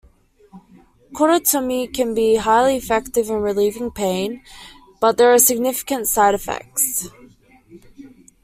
Cordotomy can be highly effective in relieving pain, but there are significant side effects.